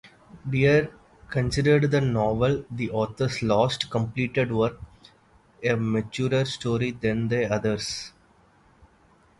Dear considered the novel-the author's last completed work-a maturer story than the others.